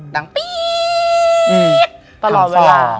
ดังปี๊ก